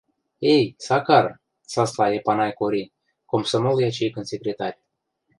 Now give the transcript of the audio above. — Эй, Сакар, — сасла Эпанай Кори, комсомол ячейкӹн секретарь